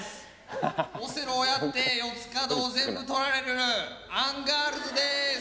オセロをやって四つ角を全部とられるアンガールズです